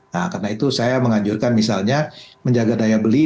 nah karena itu saya mengajurkan misalnya menjaga daya beli